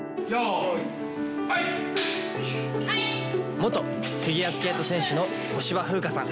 元フィギュアスケート選手の小芝風花さん。